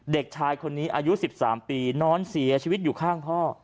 เด็กชายคนนี้อายุ๑๓ปีนอนเสียชีวิตอยู่ข้างพ่อ